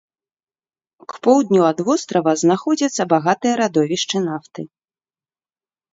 К поўдню ад вострава знаходзяцца багатыя радовішчы нафты.